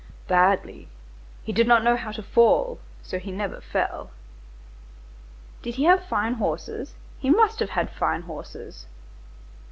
"Badly. He did not know how to fall—so he never fell." "Did he have fine horses? He must have had fine horses!"